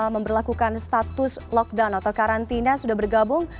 memperlakukan status lockdown atau karantina sudah bergabung